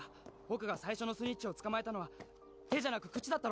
僕が最初のスニッチを捕まえたのは手じゃなく口だっ